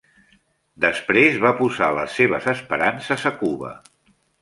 Després va posar les seves esperances a Cuba.